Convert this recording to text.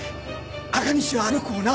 赤西はあの子をな。